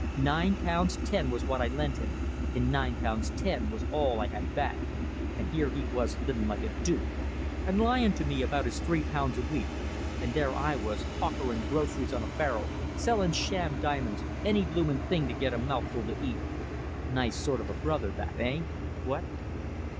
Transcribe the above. Nine pounds ten it was I lent him, and nine pounds ten was all I had back, and here he was living like a duke, and lying to me about his three pounds a week; and there was I hawkering groceries on a barrow, selling sham diamonds, any blooming thing to get a mouthful to eat. Nice sort of brother that, eh? What?"